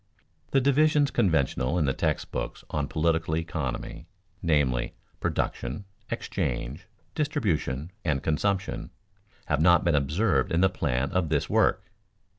_ The divisions conventional in the text books on political economy, namely, "production, exchange, distribution, and consumption," have not been observed in the plan of this work.